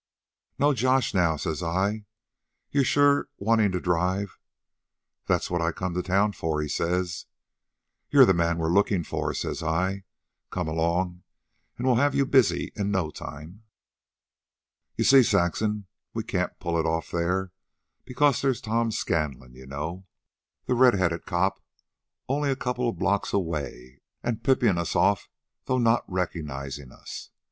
'No josh, now,' says I; 'you're sure wantin' to drive?' 'That's what I come to town for,' he says. 'You're the man we're lookin' for,' says I. 'Come along, an' we'll have you busy in no time.' "You see, Saxon, we can't pull it off there, because there's Tom Scanlon you know, the red headed cop only a couple of blocks away an' pipin' us off though not recognizin' us.